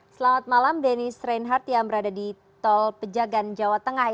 selamat malam dennis reinhardt yang berada di tol pejagan jawa tengah